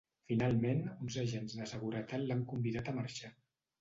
Finalment, uns agents de seguretat l’han convidat a marxar.